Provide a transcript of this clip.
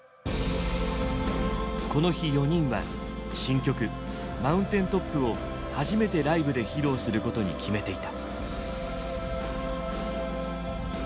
この日４人は新曲「ＭｏｕｎｔａｉｎＴｏｐ」を初めてライブで披露することに決めていた。